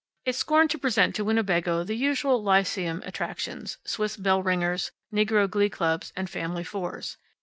It scorned to present to Winnebago the usual lyceum attractions Swiss bell ringers, negro glee clubs, and Family Fours.